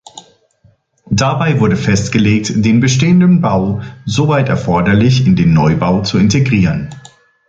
Dabei wurde festgelegt, den bestehenden Bau soweit erforderlich in den Neubau zu integrieren.